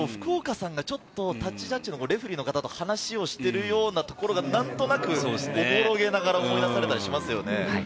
思い出してみると、福岡さんがちょっとタッチジャッジのレフェリーの方と話をしているようなところが何となく、おぼろげながら思い出されたりしますよね。